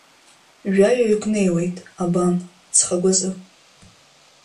Жәаҩаҩык неиуеит, абан, ҵхагәазы.